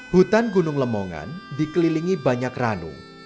hutan gunung lemongan dikelilingi banyak ranu